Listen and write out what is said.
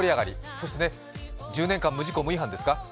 そして、１０年間、無事故・無違反ですか。